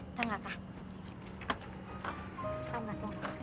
eh tanggap lah